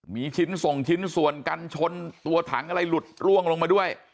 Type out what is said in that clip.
มีชิ้นส่งชิ้นส่วนกันชนตัวถังอะไรหลุดร่วงลงมาด้วย